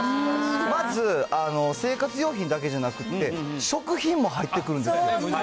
まず、生活用品だけじゃなくって、食品も入ってくるんですよ。